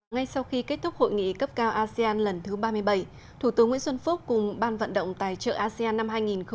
ngay sau khi kết thúc hội nghị cấp cao asean lần thứ ba mươi bảy thủ tướng nguyễn xuân phúc cùng ban vận động tài trợ asean năm hai nghìn hai mươi